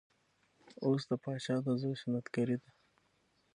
اوس د پاچا د زوی سنت ګري ده.